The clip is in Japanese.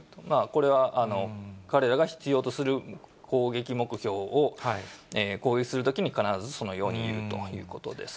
これは、彼らが必要とする攻撃目標を攻撃するときに、必ずそのように言うということです。